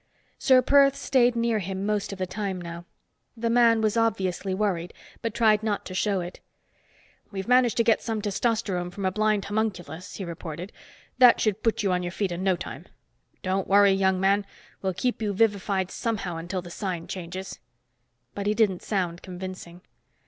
Ser Perth stayed near him most of the time now. The man was obviously worried, but tried not to show it. "We've managed to get some testosterone from a blond homunculus," he reported. "That should put you on your feet in no time. Don't worry, young man we'll keep you vivified somehow until the Sign changes." But he didn't sound convincing.